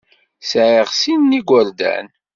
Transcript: Sɛiɣ sin n yigerdan.